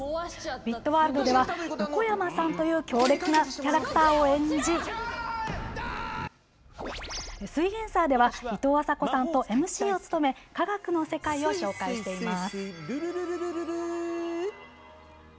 「ビットワールド」では横山さんという強烈なキャラクターを演じ「すイエんサー」ではいとうあさこさんとＭＣを務め科学の世界を紹介しています。